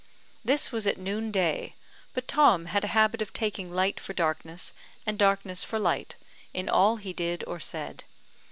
This was at noonday; but Tom had a habit of taking light for darkness, and darkness for light, in all he did or said.